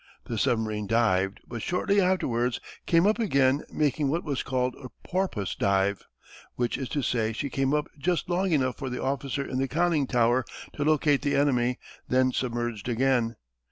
The submarine dived, but shortly afterwards came up again making what was called a porpoise dive that is to say, she came up just long enough for the officer in the conning tower to locate the enemy, then submerged again.